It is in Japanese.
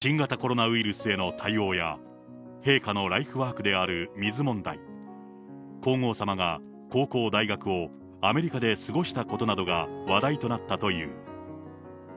懇談では、新型コロナウイルスへの対応や、陛下のライフワークである水問題、皇后さまが高校、大学をアメリカで過ごしたことなどが話題となったという。